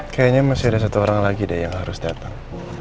kayaknya masih ada satu orang lagi deh yang harus datang